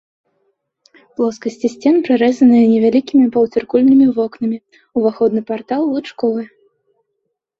Плоскасці сцен прарэзаныя невялікімі паўцыркульнымі вокнамі, уваходны партал лучковы.